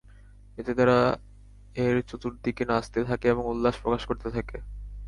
এতে তারা এর চতুর্দিকে নাচতে থাকে এবং উল্লাস প্রকাশ করতে থাকে।